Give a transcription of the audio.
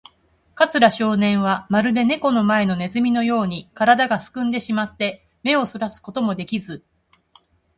桂少年は、まるでネコの前のネズミのように、からだがすくんでしまって、目をそらすこともできず、